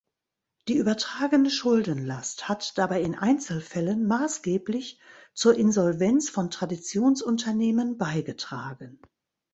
Die übertragene Schuldenlast hat dabei in Einzelfällen maßgeblich zur Insolvenz von Traditionsunternehmen beigetragen.